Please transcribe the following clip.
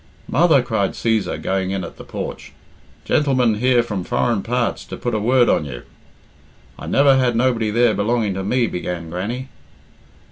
"Mother," cried Cæsar, going in at the porch, "gentleman here from foreign parts to put a word on you." "I never had nobody there belonging to me," began Grannie.